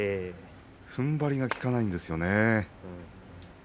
ふんばりが利かないんですよね。